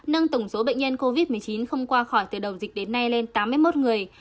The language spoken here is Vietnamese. nâng tổng số bệnh nhân covid một mươi chín không qua khỏi từ đầu dịch đến nay lên tám mươi một người